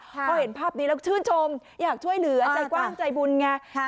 พอเห็นภาพนี้แล้วชื่นชมอยากช่วยเหลือใจกว้างใจบุญไง